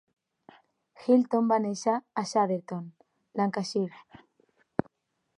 Hilton va néixer a Chadderton, Lancashire.